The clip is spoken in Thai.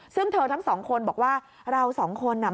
ซึ่งเธอทั้งสองคนบอกว่าเราสองคนน่ะ